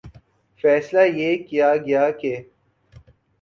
فیصلہ یہ کیا گیا کہ